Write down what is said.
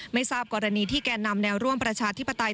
ไม่ทราบกรณีที่แก่นำแนวร่วมประชาธิปไตย